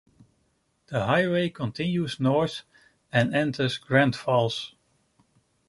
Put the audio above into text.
The highway continues north and enters Grandfalls.